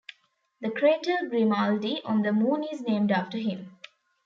The crater Grimaldi on the Moon is named after him.